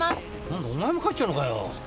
何だお前も帰っちゃうのかよ？